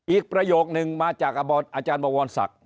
ประโยคนึงมาจากอาจารย์บวรศักดิ